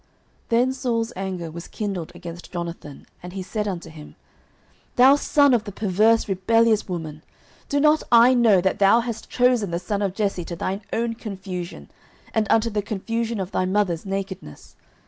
09:020:030 Then Saul's anger was kindled against Jonathan, and he said unto him, Thou son of the perverse rebellious woman, do not I know that thou hast chosen the son of Jesse to thine own confusion, and unto the confusion of thy mother's nakedness?